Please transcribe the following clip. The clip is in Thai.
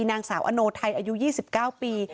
นางสาวอโนไทยอายุ๒๙ปี